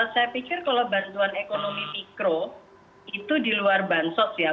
saya pikir kalau bantuan ekonomi mikro itu di luar bansos ya